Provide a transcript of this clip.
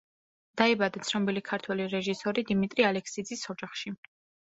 დაიბადა ცნობილი ქართველი რეჟისორი დიმიტრი ალექსიძის ოჯახში.